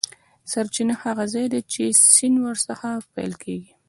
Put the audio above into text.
سرچینه هغه ځاي دی چې سیند ور څخه پیل کیږي.